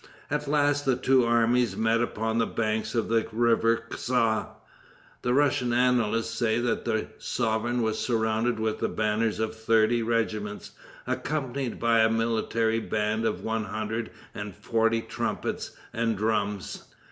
At last the two armies met upon the banks of the river Kza. The Russian annalists say that the sovereign was surrounded with the banners of thirty regiments, accompanied by a military band of one hundred and forty trumpets and drums.